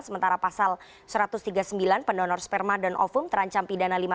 sementara pasal satu ratus tiga puluh sembilan pendonor sperma dan ofum terancam pidana